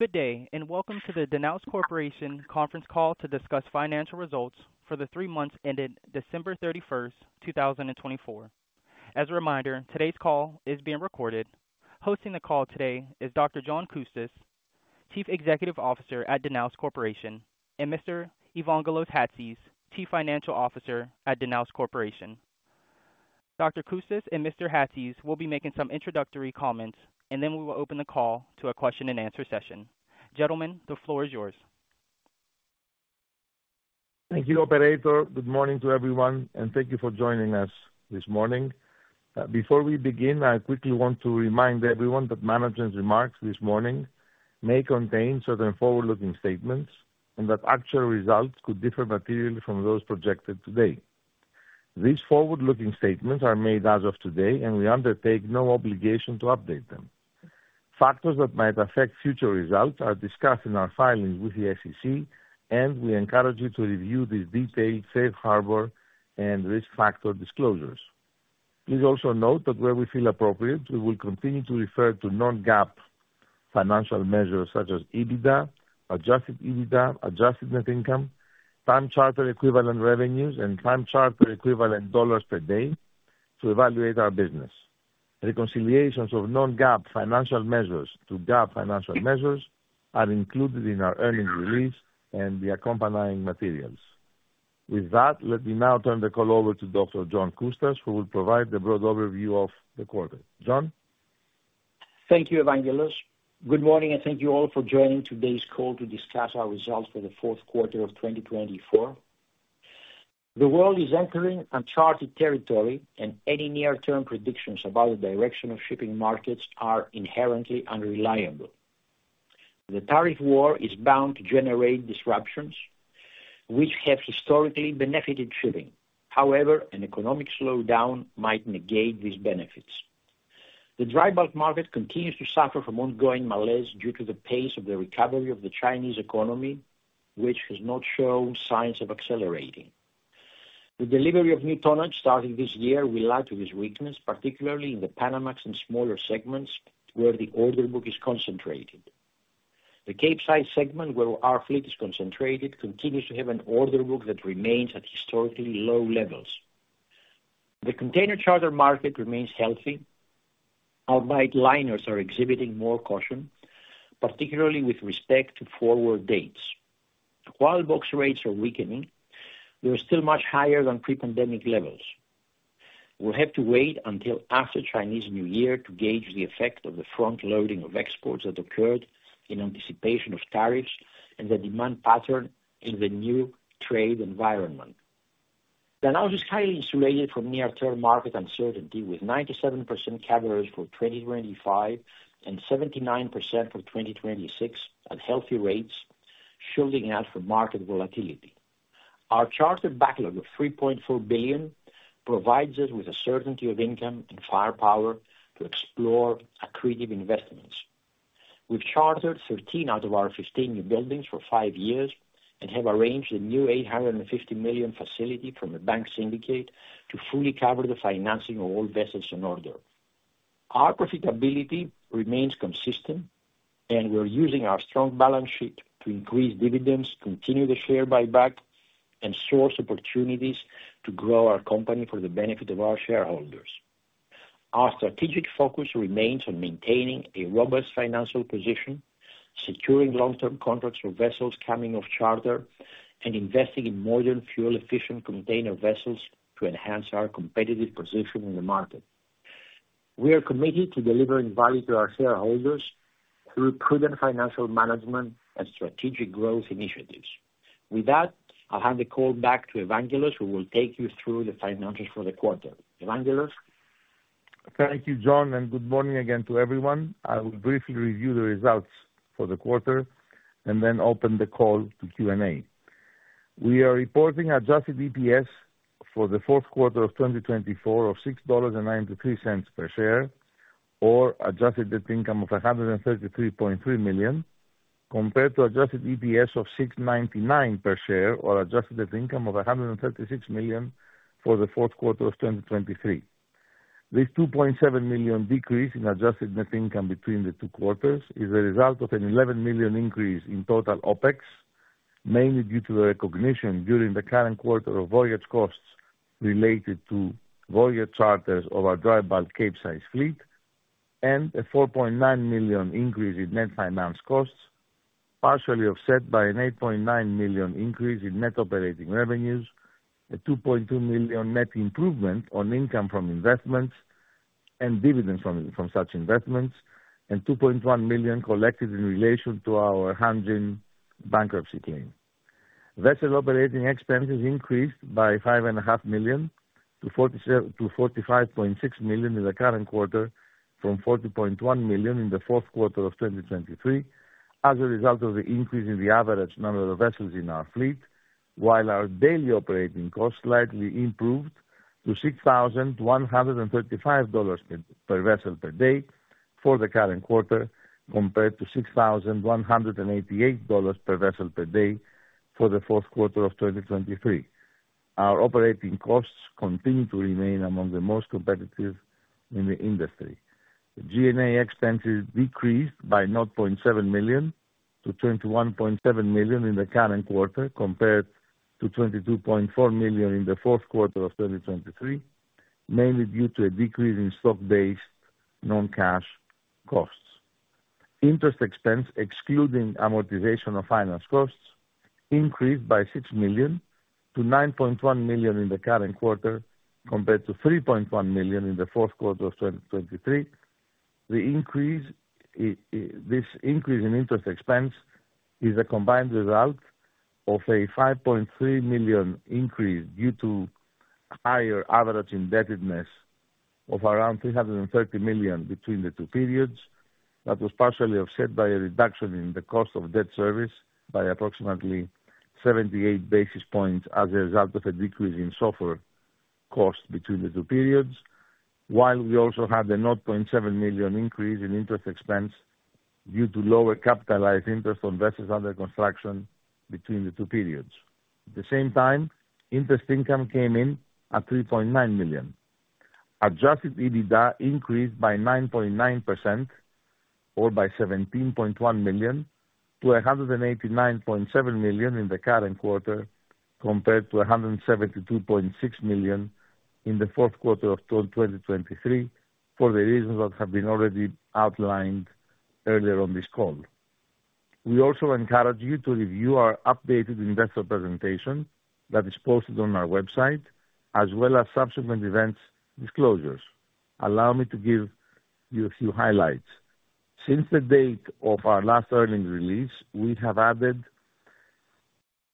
Good day, and welcome to the Danaos Corporation conference call to discuss financial results for the three months ending December 31st, 2024. As a reminder, today's call is being recorded. Hosting the call today is Dr. John Coustas, Chief Executive Officer at Danaos Corporation, and Mr. Evangelos Chatzis, Chief Financial Officer at Danaos Corporation. Dr. Coustas and Mr. Chatzis will be making some introductory comments, and then we will open the call to a question-and-answer session. Gentlemen, the floor is yours. Thank you, Operator. Good morning to everyone, and thank you for joining us this morning. Before we begin, I quickly want to remind everyone that management's remarks this morning may contain certain forward-looking statements and that actual results could differ materially from those projected today. These forward-looking statements are made as of today, and we undertake no obligation to update them. Factors that might affect future results are discussed in our filings with the SEC, and we encourage you to review these detailed safe harbor and risk factor disclosures. Please also note that where we feel appropriate, we will continue to refer to non-GAAP financial measures such as EBITDA, adjusted EBITDA, adjusted net income, time-charter equivalent revenues, and time-charter equivalent dollars per day to evaluate our business. Reconciliations of non-GAAP financial measures to GAAP financial measures are included in our earnings release and the accompanying materials. With that, let me now turn the call over to Dr. John Coustas, who will provide the broad overview of the quarter. John? Thank you, Evangelos. Good morning, and thank you all for joining today's call to discuss our results for the fourth quarter of 2024. The world is entering uncharted territory, and any near-term predictions about the direction of shipping markets are inherently unreliable. The tariff war is bound to generate disruptions, which have historically benefited shipping. However, an economic slowdown might negate these benefits. The dry bulk market continues to suffer from ongoing malaise due to the pace of the recovery of the Chinese economy, which has not shown signs of accelerating. The delivery of new tonnage starting this year will add to this weakness, particularly in the Panamax and smaller segments where the order book is concentrated. The Capesize segment, where our fleet is concentrated, continues to have an order book that remains at historically low levels. The container charter market remains healthy, albeit liners are exhibiting more caution, particularly with respect to forward dates. While bulk rates are weakening, they are still much higher than pre-pandemic levels. We'll have to wait until after Chinese New Year to gauge the effect of the front-loading of exports that occurred in anticipation of tariffs and the demand pattern in the new trade environment. Danaos is highly insulated from near-term market uncertainty, with 97% coverage for 2025 and 79% for 2026 at healthy rates, shielding out from market volatility. Our charter backlog of $3.4 billion provides us with a certainty of income and firepower to explore accretive investments. We've chartered 13 out of our 15 newbuildings for five years and have arranged a new $850 million facility from a bank syndicate to fully cover the financing of all vessels in order. Our profitability remains consistent, and we're using our strong balance sheet to increase dividends, continue the share buyback, and source opportunities to grow our company for the benefit of our shareholders. Our strategic focus remains on maintaining a robust financial position, securing long-term contracts for vessels coming off charter, and investing in modern fuel-efficient container vessels to enhance our competitive position in the market. We are committed to delivering value to our shareholders through prudent financial management and strategic growth initiatives. With that, I'll hand the call back to Evangelos, who will take you through the financials for the quarter. Evangelos? Thank you, John, and good morning again to everyone. I will briefly review the results for the quarter and then open the call to Q&A. We are reporting Adjusted EPS for the fourth quarter of 2024 of $6.93 per share, or Adjusted Net Income of $133.3 million, compared to Adjusted EPS of $6.99 per share, or Adjusted Net Income of $136 million for the fourth quarter of 2023. This $2.7 million decrease in adjusted net income between the two quarters is the result of an $11 million increase in total OPEX, mainly due to the recognition during the current quarter of voyage costs related to voyage charters of our dry bulk Capesize fleet, and a $4.9 million increase in net finance costs, partially offset by an $8.9 million increase in net operating revenues, a $2.2 million net improvement on income from investments and dividends from such investments, and $2.1 million collected in relation to our Hanjin bankruptcy claim. Vessel operating expenses increased by $5.5 million to $45.6 million in the current quarter, from $40.1 million in the fourth quarter of 2023, as a result of the increase in the average number of vessels in our fleet, while our daily operating costs slightly improved to $6,135 per vessel per day for the current quarter, compared to $6,188 per vessel per day for the fourth quarter of 2023. Our operating costs continue to remain among the most competitive in the industry. G&A expenses decreased by $0.7 million to $21.7 million in the current quarter, compared to $22.4 million in the fourth quarter of 2023, mainly due to a decrease in stock-based non-cash costs. Interest expense, excluding amortization of finance costs, increased by $6 million to $9.1 million in the current quarter, compared to $3.1 million in the fourth quarter of 2023. This increase in interest expense is a combined result of a $5.3 million increase due to higher average indebtedness of around $330 million between the two periods. That was partially offset by a reduction in the cost of debt service by approximately 78 basis points as a result of a decrease in SOFR cost between the two periods, while we also had a $0.7 million increase in interest expense due to lower capitalized interest on vessels under construction between the two periods. At the same time, interest income came in at $3.9 million. Adjusted EBITDA increased by 9.9%, or by $17.1 million, to $189.7 million in the current quarter, compared to $172.6 million in the fourth quarter of 2023, for the reasons that have been already outlined earlier on this call. We also encourage you to review our updated investor presentation that is posted on our website, as well as subsequent events disclosures. Allow me to give you a few highlights. Since the date of our last earnings release, we have added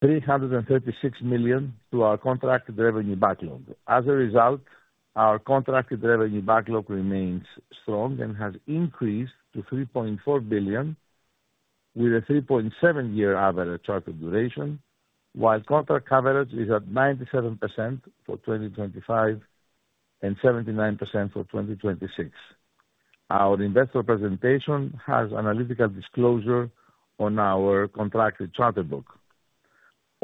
$336 million to our contracted revenue backlog. As a result, our contracted revenue backlog remains strong and has increased to $3.4 billion, with a 3.7-year average charter duration, while contract coverage is at 97% for 2025 and 79% for 2026. Our investor presentation has analytical disclosure on our contracted charter book.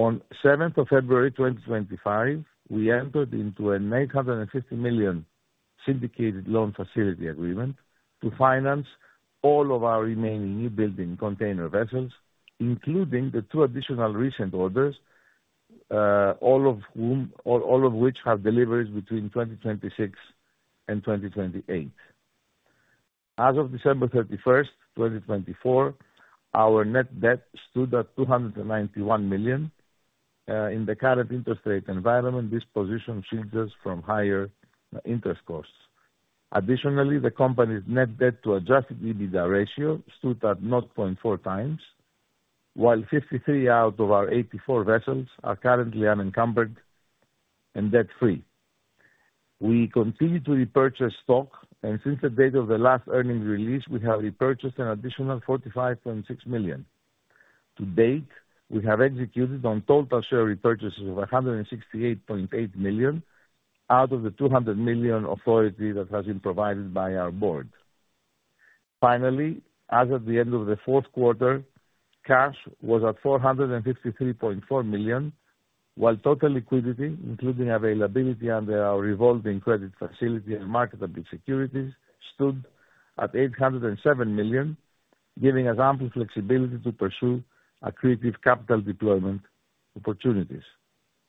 On 7th of February 2025, we entered into an $850 million syndicated loan facility agreement to finance all of our remaining newbuilding container vessels, including the two additional recent orders, all of which have deliveries between 2026 and 2028. As of December 31st, 2024, our net debt stood at $291 million. In the current interest rate environment, this position shields us from higher interest costs. Additionally, the company's net debt-to-adjusted EBITDA ratio stood at 0.4 times, while 53 out of our 84 vessels are currently unencumbered and debt-free. We continue to repurchase stock, and since the date of the last earnings release, we have repurchased an additional $45.6 million. To date, we have executed on total share repurchases of $168.8 million out of the $200 million authority that has been provided by our board. Finally, as of the end of the fourth quarter, cash was at $453.4 million, while total liquidity, including availability under our revolving credit facility and marketable securities, stood at $807 million, giving us ample flexibility to pursue accretive capital deployment opportunities.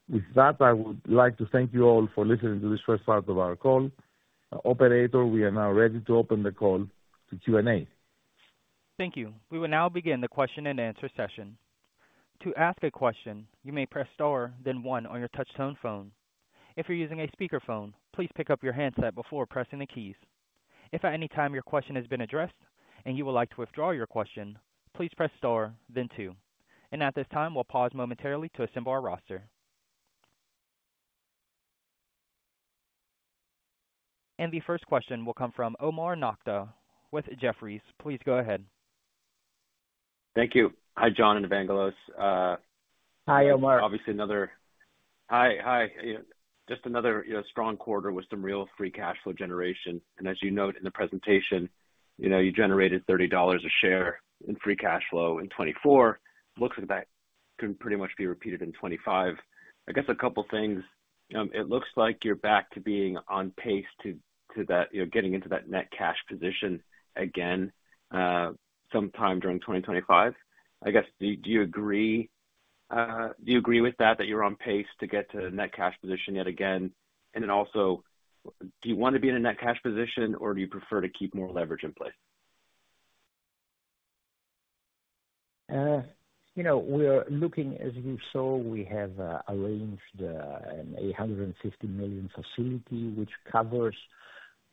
With that, I would like to thank you all for listening to this first part of our call. Operator, we are now ready to open the call to Q&A. Thank you. We will now begin the question-and-answer session. To ask a question, you may press star, then one on your touch-tone phone. If you're using a speakerphone, please pick up your handset before pressing the keys. If at any time your question has been addressed and you would like to withdraw your question, please press star, then two. And at this time, we'll pause momentarily to assemble our roster. And the first question will come from Omar Nokta with Jefferies. Please go ahead. Thank you. Hi, John and Evangelos. Hi, Omar. Hi, hi. Just another strong quarter with some real free cash flow generation, and as you note in the presentation, you generated $30 a share in free cash flow in 2024. Looks like that can pretty much be repeated in 2025. I guess a couple of things. It looks like you're back to being on pace to getting into that net cash position again sometime during 2025. I guess, do you agree with that, that you're on pace to get to a net cash position yet again? And then also, do you want to be in a net cash position, or do you prefer to keep more leverage in place? You know, we're looking, as you saw, we have arranged an $850 million facility, which covers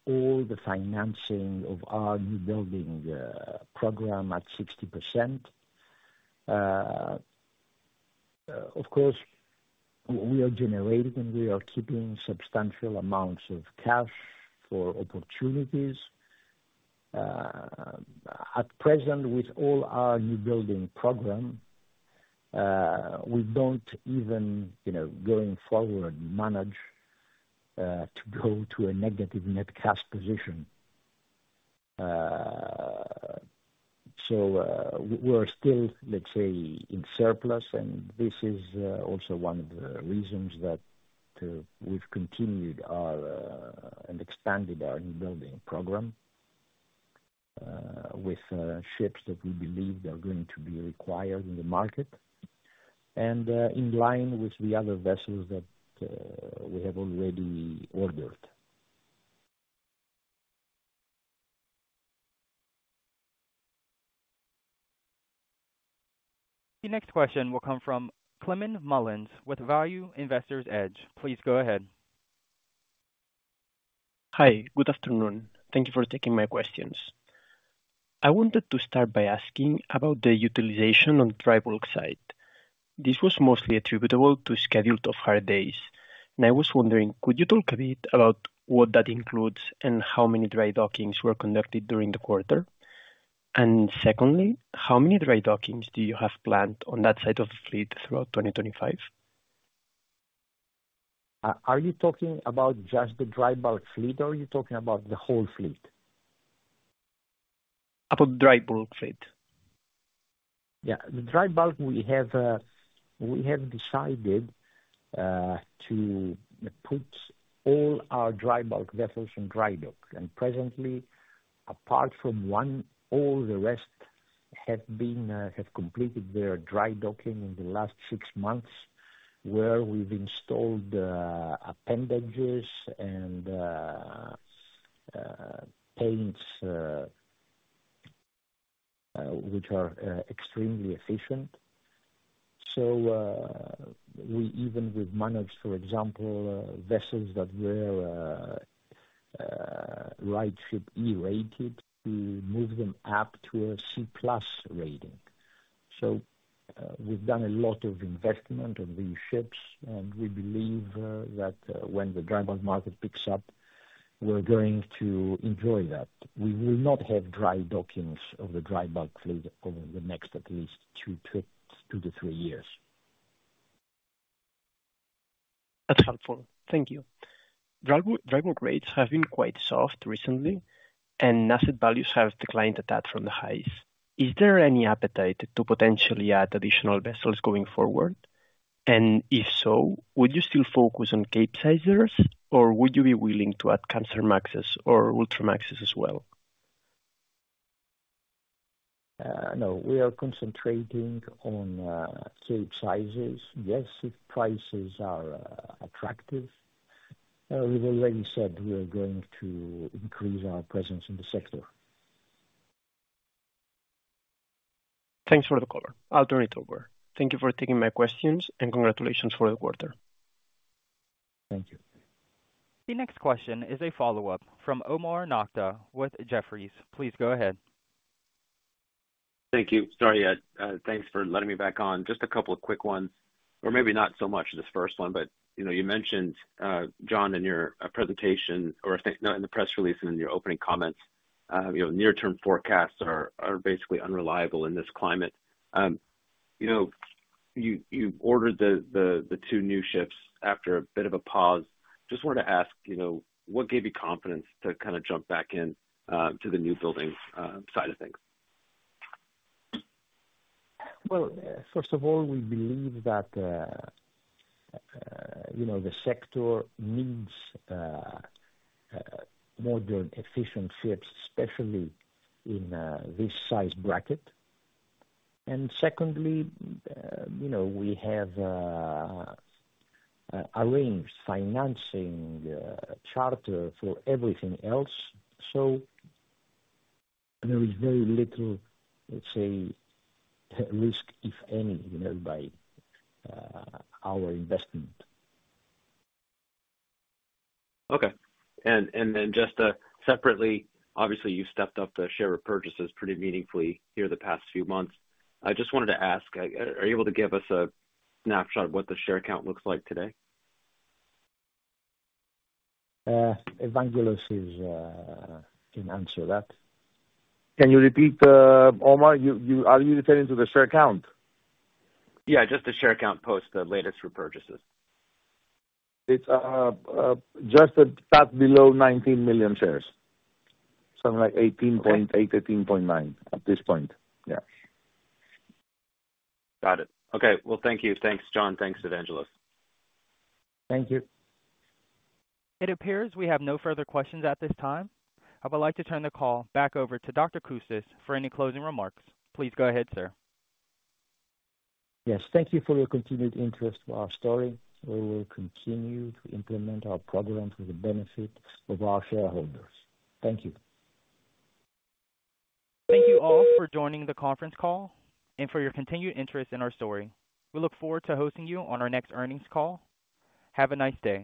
all the financing of our newbuilding program at 60%. Of course, we are generating and we are keeping substantial amounts of cash for opportunities. At present, with all our newbuilding program, we don't even, you know, going forward, manage to go to a negative net cash position. So we're still, let's say, in surplus, and this is also one of the reasons that we've continued and expanded our newbuilding program with ships that we believe are going to be required in the market and in line with the other vessels that we have already ordered. The next question will come from Climent Molins with Value Investor's Edge. Please go ahead. Hi, good afternoon. Thank you for taking my questions. I wanted to start by asking about the utilization on the dry bulk side. This was mostly attributable to scheduled off-hire days, and I was wondering, could you talk a bit about what that includes and how many dry dockings were conducted during the quarter? And secondly, how many dry dockings do you have planned on that side of the fleet throughout 2025? Are you talking about just the dry bulk fleet, or are you talking about the whole fleet? About the dry bulk fleet. Yeah, the dry bulk, we have decided to put all our dry bulk vessels in dry dock, and presently, apart from one, all the rest have completed their dry docking in the last six months, where we've installed appendages and paints, which are extremely efficient, so we even managed, for example, vessels that were RightShip E-rated to move them up to a C-plus rating, so we've done a lot of investment on these ships, and we believe that when the dry bulk market picks up, we're going to enjoy that. We will not have dry dockings of the dry bulk fleet over the next at least two-to-three years. That's helpful. Thank you. Dry bulk rates have been quite soft recently, and asset values have declined a tad from the highs. Is there any appetite to potentially add additional vessels going forward? And if so, would you still focus on Capesize, or would you be willing to add Kamsarmax or Ultramax as well? No, we are concentrating on Capesize. Yes, if prices are attractive, we've already said we are going to increase our presence in the sector. Thanks for the call. I'll turn it over. Thank you for taking my questions, and congratulations for the quarter. Thank you. The next question is a follow-up from Omar Nokta with Jefferies. Please go ahead. Thank you. Sorry, thanks for letting me back on. Just a couple of quick ones, or maybe not so much this first one, but you mentioned, John, in your presentation or in the press release and in your opening comments, near-term forecasts are basically unreliable in this climate. You ordered the two new ships after a bit of a pause. Just wanted to ask, what gave you confidence to kind of jump back into the newbuilding side of things? First of all, we believe that the sector needs more efficient ships, especially in this size bracket. Secondly, we have arranged financing charter for everything else, so there is very little, let's say, risk, if any, by our investment. Okay, and then just separately, obviously, you've stepped up the share of purchases pretty meaningfully here the past few months. I just wanted to ask, are you able to give us a snapshot of what the share count looks like today? Evangelos can answer that. Can you repeat, Omar? Are you referring to the share count? Yeah, just the share count post the latest repurchases. It's just that below 19 million shares. Something like 18.8, 18.9 at this point. Yeah. Got it. Okay. Well, thank you. Thanks, John. Thanks, Evangelos. Thank you. It appears we have no further questions at this time. I would like to turn the call back over to Dr. Coustas for any closing remarks. Please go ahead, sir. Yes, thank you for your continued interest in our story. We will continue to implement our program to the benefit of our shareholders. Thank you. Thank you all for joining the conference call and for your continued interest in our story. We look forward to hosting you on our next earnings call. Have a nice day.